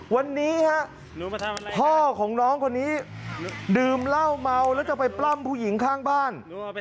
วันนี้ฮะพ่อของน้องคนนี้ดื่มเหล้าเมาแล้วจะไปปล้ำผู้หญิงข้างบ้าน